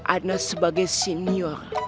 ana sebagai senior